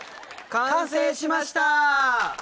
完成しました！